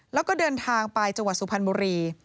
แล้วก็เดินทางไปจังหวัดสุพรรณบุรี